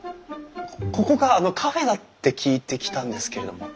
ここがカフェだって聞いて来たんですけれども。